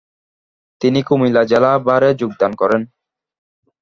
তিনি কুমিল্লা জেলা বারে যোগদান করেন।